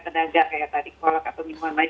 tenaga kayak tadi kolak atau minuman lain